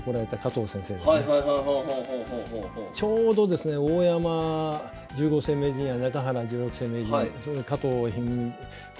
ちょうどですね大山十五世名人や中原十六世名人加藤一二三九